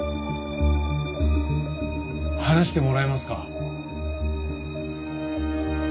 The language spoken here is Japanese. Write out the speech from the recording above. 話してもらえますか？